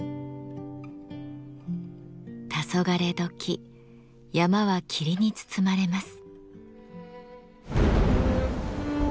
たそがれ時山は霧に包まれます。